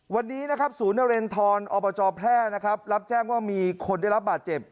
วันนี้สูญเรนทรอพแพร่รับแจ้งว่ามีคนได้รับบาดเจ็บ